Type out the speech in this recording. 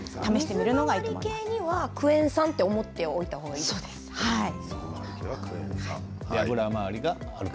水回り系にはクエン酸と思っておいた方がいいですか。